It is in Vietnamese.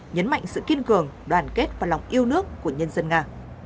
nhấn mạnh sự kiên cường đoàn kết và lòng yêu nước của nhân dân nga